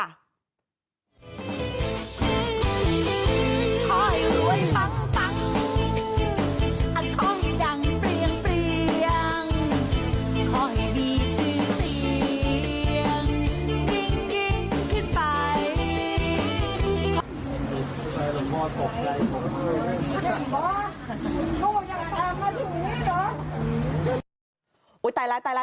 เสียงกิ้งพิษไป